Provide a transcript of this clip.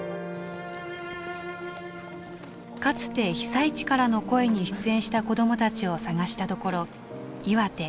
かつて「被災地からの声」に出演した子どもたちを捜したところ岩手